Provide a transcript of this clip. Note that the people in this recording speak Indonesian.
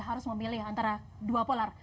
harus memilih antara dua polar